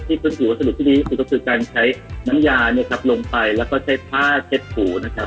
ทีคือมีวัสดุที่ดีคือการใช้น้ำยาลงไปและใช้ผ้าเช็ดผู